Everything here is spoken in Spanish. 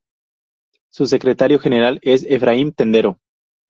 Su secretario general es Efraim Tendero.